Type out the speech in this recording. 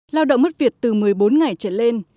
lao động mất việc từ một mươi bốn ngày trở lên